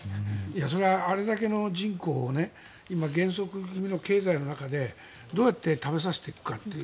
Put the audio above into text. そりゃ、あれだけの人口を今、減速気味の経済の中でどうやって食べさせていくかという。